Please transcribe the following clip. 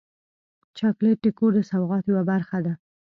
چاکلېټ د کور د سوغات یوه برخه ده.